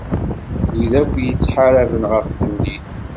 Wid akk yettḥaraben ɣef ddunit.